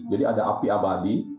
jadi ada api abadi